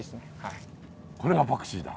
これがパクチーだ。